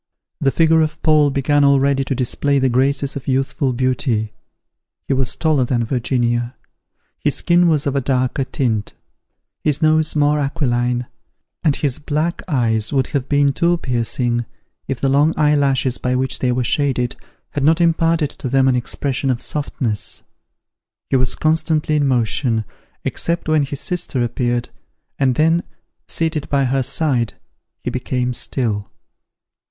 The figure of Paul began already to display the graces of youthful beauty. He was taller than Virginia: his skin was of a darker tint; his nose more aquiline; and his black eyes would have been too piercing, if the long eye lashes by which they were shaded, had not imparted to them an expression of softness. He was constantly in motion, except when his sister appeared, and then, seated by her side, he became still.